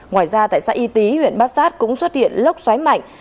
ngoài ra tại xã y tý huyện bát sát cũng xuất hiện lốc xoáy mạnh